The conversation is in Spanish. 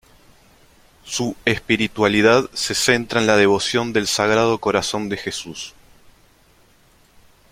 Su espiritualidad se centra en la devoción del Sagrado Corazón de Jesús.